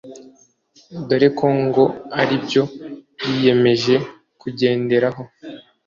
dore ko ngo ari byo yiyemeje kugenderaho